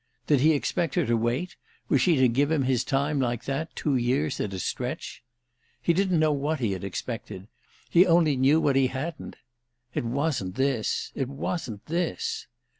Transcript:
Did he expect her to wait—was she to give him his time like that: two years at a stretch? He didn't know what he had expected—he only knew what he hadn't. It wasn't this—it wasn't this.